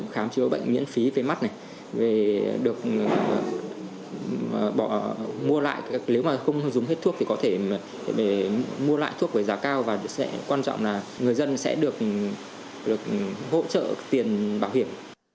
khám chữa bệnh miễn phí về mắt này được mua lại nếu mà không dùng hết thuốc thì có thể mua lại thuốc với giá cao và quan trọng là người dân sẽ được hỗ trợ tiền bảo hiểm